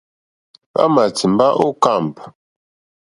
Hwámà tìmbá ô kâmp.